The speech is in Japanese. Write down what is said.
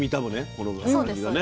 この感じがね。